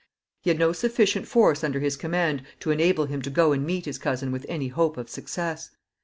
He had no sufficient force under his command to enable him to go and meet his cousin with any hope of success.